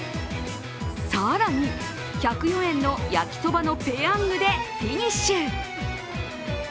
更に、１０４円のやきそばのペヤングでフィニッシュ。